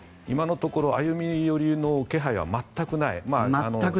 今のところ歩み寄りの気配は全くない。